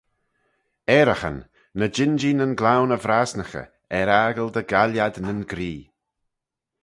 Ayraghyn, ny jean-jee nyn gloan y vrasnaghey, er-aggle dy gaill ad nyn gree.